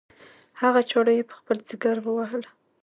هغه چاړه یې په خپل ځګر ووهله.